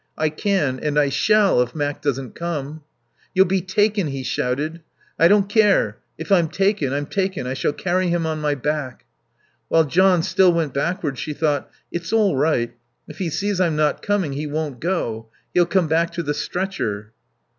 "I can. And I shall, if Mac doesn't come." "You'll be taken," he shouted. "I don't care. If I'm taken, I'm taken. I shall carry him on my back." While John still went backwards she thought: It's all right. If he sees I'm not coming he won't go. He'll come back to the stretcher.